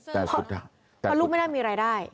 เพราะลูกไม่น่ามีรายได้